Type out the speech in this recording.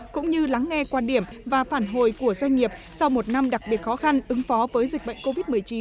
cũng như lắng nghe quan điểm và phản hồi của doanh nghiệp sau một năm đặc biệt khó khăn ứng phó với dịch bệnh covid một mươi chín